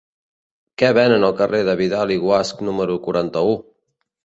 Què venen al carrer de Vidal i Guasch número quaranta-u?